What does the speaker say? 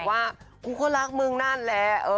ว่ากูก็นั่นแหละแหละ